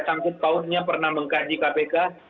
sanggup tahunya pernah mengkah di kpk